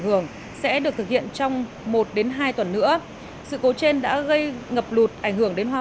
hưởng sẽ được thực hiện trong một hai tuần nữa sự cố trên đã gây ngập lụt ảnh hưởng đến hoa